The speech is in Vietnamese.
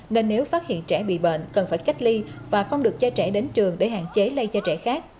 nên nếu phát hiện trẻ bị bệnh cần phải cách ly và không được cho trẻ đến trường để hạn chế lây cho trẻ khác